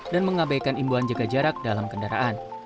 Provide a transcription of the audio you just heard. dan mengabaikan imbuan jaga jarak dalam kendaraan